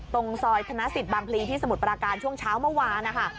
ตรงซอยโทณะสิทธิ์บางพลีที่สมุดประกานช่วงเช้าเมื่อวาน